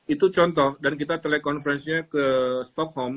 itu contoh dan kita telekonferensinya ke stockholm